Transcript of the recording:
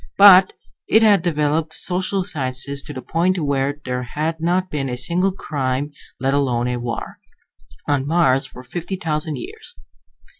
But it had developed social sciences to the point where there had not been a single crime, let alone a war, on Mars for fifty thousand years.